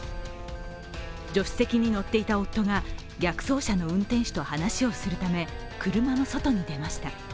助手席に乗っていた夫が逆走車の運転手と話をするため車の外に出ました。